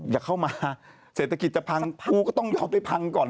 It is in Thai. อย่าเข้ามาเศรษฐกิจจะพังภูก็ต้องยอมไปพังก่อน